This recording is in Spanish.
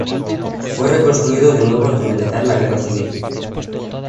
Fue reconstruido de nuevo al finalizar la Guerra Civil.